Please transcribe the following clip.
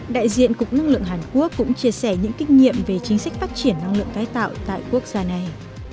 đại diện cục năng lượng hàn quốc cũng chia sẻ những kinh nghiệm về chính sách phát triển năng lượng tái tạo tại quốc gia này